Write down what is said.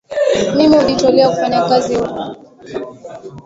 Mimi hujitolea kufanya kazi huko